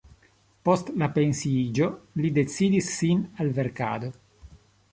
Post la pensiiĝo li dediĉis sin al verkado.